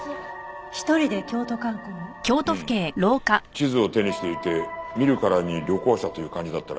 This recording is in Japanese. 地図を手にしていて見るからに旅行者という感じだったらしい。